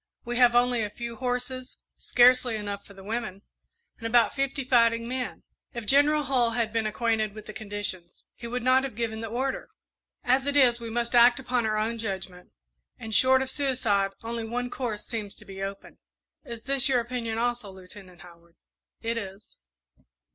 We have only a few horses, scarcely enough for the women, and about fifty fighting men. If General Hull had been acquainted with the conditions, he would not have given the order. As it is, we must act upon our own judgment, and, short of suicide, only one course seems to be open." "Is this your opinion also, Lieutenant Howard?" "It is."